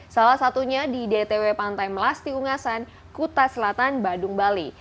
salah satunya di dtw pantai melasti ungasan kuta selatan badung bali